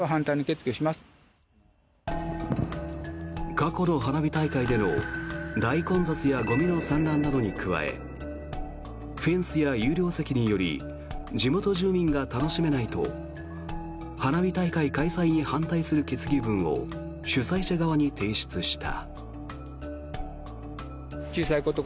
過去の花火大会での大混雑やゴミの散乱などに加えフェンスや有料席により地元住民が楽しめないと花火大会開催に反対する決議文を主催者側に提出した。